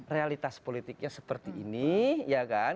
realitas politiknya seperti ini ya kan